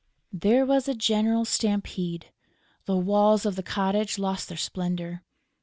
There was a general stampede. The walls of the cottage lost their splendour.